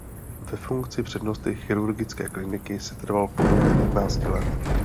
Ve funkci přednosty chirurgické kliniky setrval po dobu patnácti let.